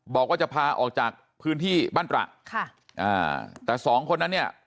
บอกว่าจะพาออกจากพื้นที่บ้านตระค่ะอ่าแต่สองคนนั้นเนี่ย